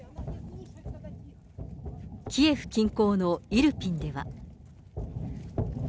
キエフ近郊のイルピンでは。